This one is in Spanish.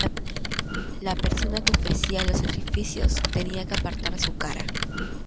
La persona que ofrecía los sacrificios tenía que apartar su cara.